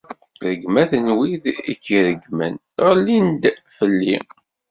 Rregmat n wid i k-ireggmen, ɣellint-d fell-i.